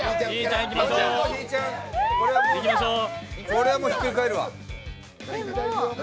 これはもうひっくり返るわ。